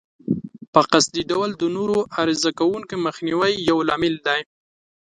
په قصدي ډول د نورو عرضه کوونکو مخنیوی یو لامل دی.